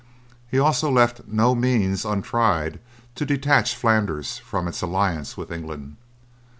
He also left no means untried to detach Flanders from its alliance with England.